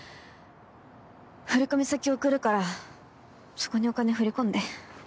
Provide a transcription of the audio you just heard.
振込先送るからそこにお金振り込んで。